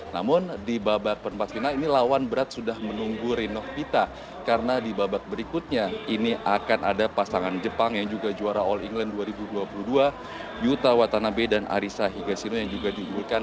namun di babak perempat final ini lawan berat sudah menunggu rinov pita karena di babak berikutnya ini akan ada pasangan jepang yang juga juara all england dua ribu dua puluh dua yuta watanabe dan arissa higasino yang juga diunggulkan